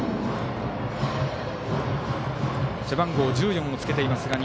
背番号１４をつけています